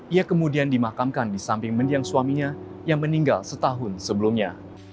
ia kemudian dimakamkan di samping mendiang suaminya yang meninggal setahun sebelumnya